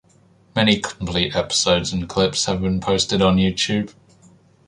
Many complete episodes and clips have been posted on YouTube.